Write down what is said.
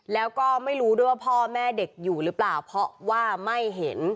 แล้วก็ไม่รู้ด้วยว่าพ่อแม่เด็กอยู่หรือเปล่าเพราะว่าไม่เห็น